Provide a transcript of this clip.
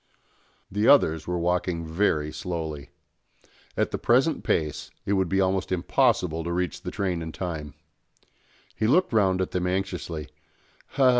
The others were walking very slowly. At the present pace it would be almost impossible to reach the train in time. He looked round at them anxiously.